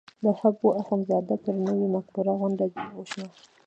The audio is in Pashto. د حبواخندزاده پر نوې مقبره غونډه وشوه.